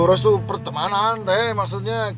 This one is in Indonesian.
restu pertemanan teh maksudnya